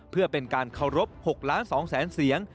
เพื่อเป็นการเคารพ๖ล้าน๒แสนเสียง